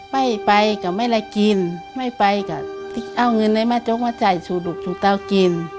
ไม่ไปก็ไม่ได้กินไม่ไปก็เอาเงินในแม่จกมาจ่ายสู่ดุกชูเตากิน